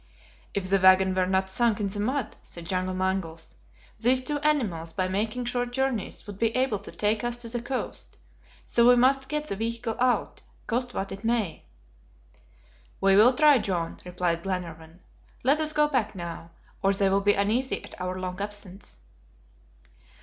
"If the wagon were not sunk in the mud," said John Mangles, "these two animals, by making short journeys, would be able to take us to the coast; so we must get the vehicle out, cost what it may." "We will try, John," replied Glenarvan. "Let us go back now, or they will be uneasy at our long absence."